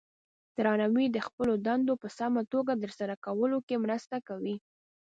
درناوی د خپلو دندو په سمه توګه ترسره کولو کې مرسته کوي.